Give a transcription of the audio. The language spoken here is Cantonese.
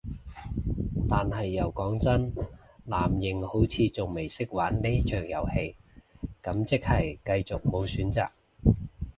但係又講真，藍營好似仲未識玩呢場遊戲，咁即係繼續無選擇